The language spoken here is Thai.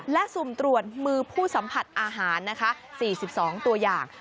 และสุ่มตรวจมือผู้สัมผัสอาหารนะคะ๔๒ตัวอย่าง